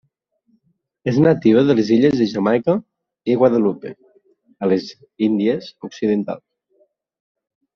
És nativa de les illes de Jamaica i Guadalupe, a les Índies Occidentals.